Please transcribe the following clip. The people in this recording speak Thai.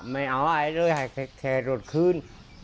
ไม่เอาอะไรที่รถคืน